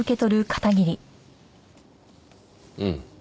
うん。